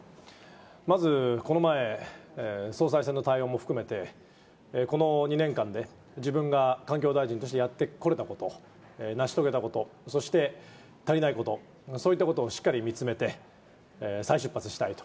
まずこの前、総裁選の対応も含めて、この２年間で、自分が環境大臣としてやってこれたこと、成し遂げたこと、そして足りないこと、そういったことをしっかり見つめて、再出発したいと。